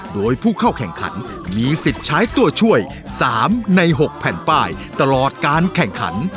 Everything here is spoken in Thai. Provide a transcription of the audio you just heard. โดยผู้เข้าแข่งขันมีสิทธิ์ใช้ตัวช่วย๓ใน๖แผ่นป้ายตลอดการแข่งขัน